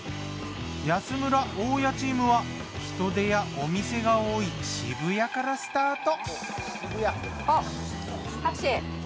安村・大家チームは人出やお店が多い渋谷からスタート。